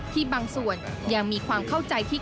บางส่วนยังมีความเข้าใจที่